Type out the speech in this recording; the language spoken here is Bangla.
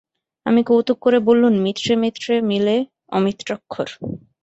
আমি কৌতুক করে বললুম, মিত্রে মিত্রে মিলে আমিত্রাক্ষর।